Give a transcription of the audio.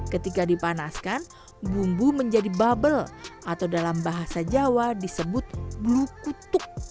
ketika dipanaskan bumbu menjadi bubble atau dalam bahasa jawa disebut bulu kutuk